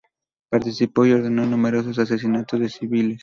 Participó y ordenó numerosos asesinatos de civiles.